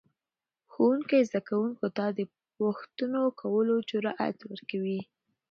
ښوونکی زده کوونکو ته د پوښتنو کولو جرأت ورکوي